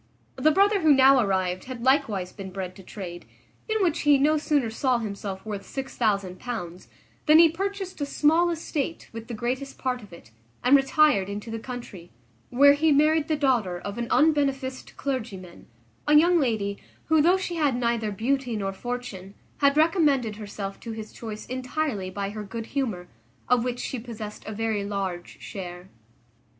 The brother who now arrived had likewise been bred to trade, in which he no sooner saw himself worth £6000 than he purchased a small estate with the greatest part of it, and retired into the country; where he married the daughter of an unbeneficed clergyman; a young lady, who, though she had neither beauty nor fortune, had recommended herself to his choice entirely by her good humour, of which she possessed a very large share.